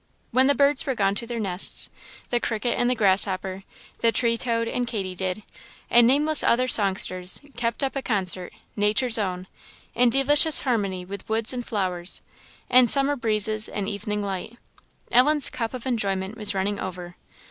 When the birds were gone to their nests, the cricket and grasshopper, and tree toad and katydid, and nameless other songsters, kept up a concert nature's own in delicious harmony with woods and flowers, and summer breezes and evening light. Ellen's cup of enjoyment was running over.